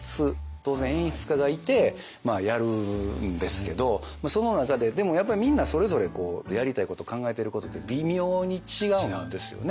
当然演出家がいてやるんですけどその中ででもみんなそれぞれやりたいこと考えてることって微妙に違うんですよね。